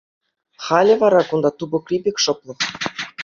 Халӗ вара кунта тупӑкри пек шӑплӑх.